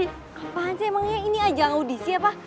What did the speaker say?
kapan sih emangnya ini aja audisi apa